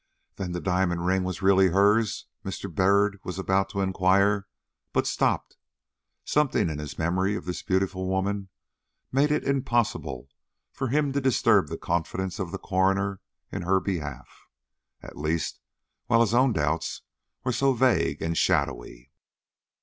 "Then the diamond ring was really hers?" Mr. Byrd was about to inquire, but stopped; something in his memory of this beautiful woman made it impossible for him to disturb the confidence of the coroner in her behalf, at least while his own doubts were so vague and shadowy.